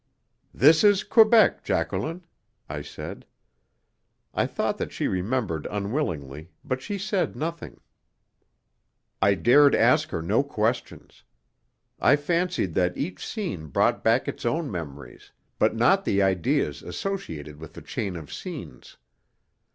"This is Quebec, Jacqueline," I said. I thought that she remembered unwillingly, but she said nothing. I dared ask her no questions. I fancied that each scene brought back its own memories, but not the ideas associated with the chain of scenes.